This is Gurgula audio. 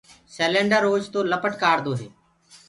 سيلينڊر اوچتو لپٽ ڪآڙدو هي۔